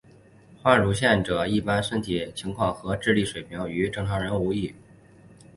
副乳患者一般身体情况和智力水平与正常人无异。